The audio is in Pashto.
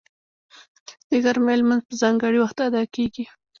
د غرمې لمونځ په ځانګړي وخت ادا کېږي